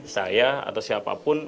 saya atau siapapun